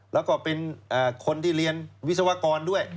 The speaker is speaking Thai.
แล้วก็เป็นคนที่เรียนวิศวกรด้วย